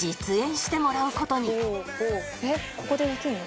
えっここでできるの？